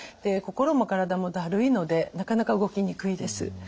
心も体もだるいのでなかなか動きにくいです。